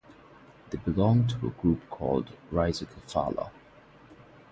They belong to a group called "Rhizocephala".